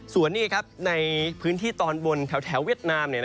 ส่วนนี้ในพื้นที่ตอนบนแถวเวียดนาม